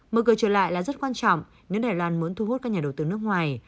mở cửa trở lại là rất quan trọng nếu đài loan muốn thu hút các nhà đầu tư nước ngoài